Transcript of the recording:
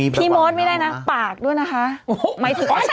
พี่มศไม่ได้นะปากด้วยนะคะ